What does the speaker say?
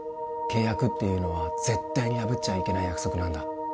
契約っていうのは絶対に破っちゃいけない約束なんだ